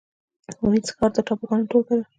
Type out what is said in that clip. وینز ښار د ټاپوګانو ټولګه ده